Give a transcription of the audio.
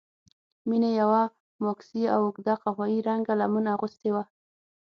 مينې يوه ماکسي او اوږده قهويي رنګه لمن اغوستې وه.